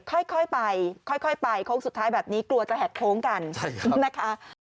ค่อยไปค่อยไปโค้งสุดท้ายแบบนี้กลัวจะแหกโค้งกันนะคะ